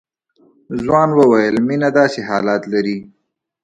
ځوان وويل مينه داسې حالات لري.